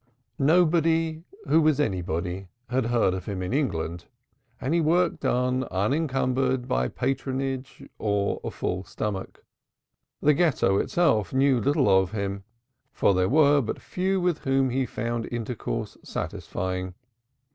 Nobody (who was anybody) had heard of him in England, and he worked on, unencumbered by patronage or a full stomach. The Ghetto, itself, knew little of him, for there were but few with whom he found intercourse satisfying.